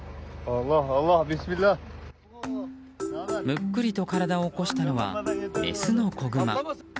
むっくりと体を起こしたのはメスの子グマ。